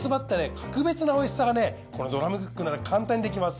格別なおいしさがねこのドラムクックなら簡単にできます。